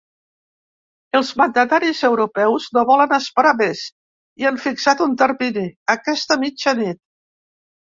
Els mandataris europeus no volen esperar més i han fixat un termini: aquesta mitjanit.